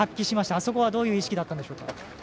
あそこはどういう意識だったんでしょうか？